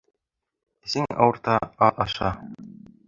Әсең ауыртһа, аҙ аша.